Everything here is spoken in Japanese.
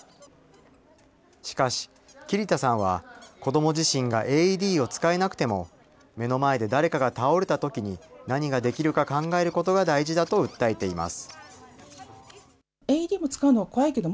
しかし、桐田さんは子ども自身がＡＥＤを使えなくても、目の前で誰かが倒れたときに、何ができるか考えることが大事だと訴えています。